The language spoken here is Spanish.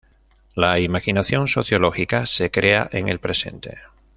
La imaginación sociológica se crea en el presente.